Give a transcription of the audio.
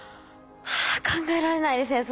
はあ考えられないですね